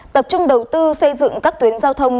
tập trung đầu tư xây dựng các tuyến giao thông